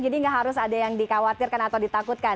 jadi tidak harus ada yang dikhawatirkan atau dikhawatirkan